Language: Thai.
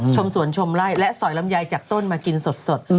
สวนชมไล่และสอยลำไยจากต้นมากินสด